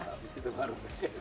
abis itu baru